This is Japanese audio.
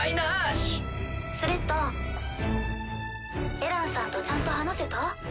エランさんとちゃんと話せた？